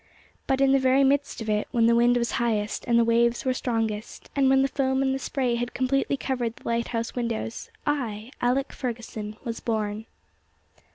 But in the very midst of it, when the wind was highest, and the waves were strongest, and when the foam and the spray had completely covered the lighthouse windows, I, Alick Fergusson, was born.